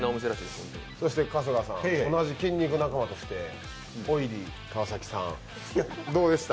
春日さん、同じ筋肉仲間としてオイリーカワサキさん、どうでした？